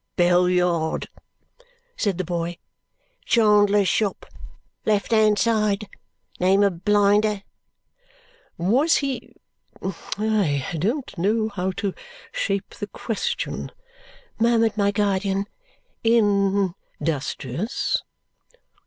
"Bell Yard," said the boy. "Chandler's shop, left hand side, name of Blinder." "Was he I don't know how to shape the question " murmured my guardian, "industrious?"